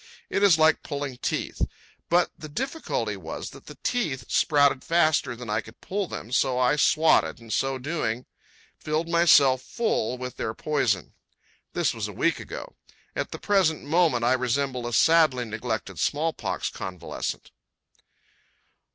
It is like pulling teeth. But the difficulty was that the teeth sprouted faster than I could pull them, so I swatted, and, so doing, filled myself full with their poison. This was a week ago. At the present moment I resemble a sadly neglected smallpox convalescent.